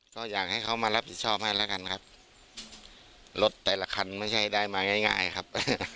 ก็อยากให้เขามารับผิดชอบให้แล้วกันครับรถแต่ละคันไม่ใช่ได้มาง่ายง่ายครับ